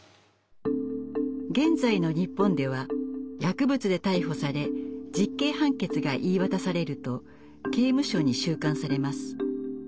現在の日本では薬物で逮捕され実刑判決が言い渡されると刑務所に収監されます。